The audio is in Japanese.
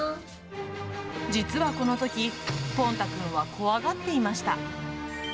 実はこのとき、ぽん太くんは怖がっていました。